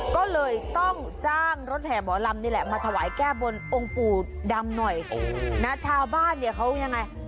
ก็เลยต้องจ้างรถแห่หมอลำนี่แหละมาถวายแก้บนองค์ปู่ดำหน่อยนะชาวบ้านเนี่ยเขายังไง